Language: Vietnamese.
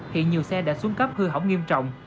hiện nhiều xe đã xuống cấp hư hỏng nghiêm trọng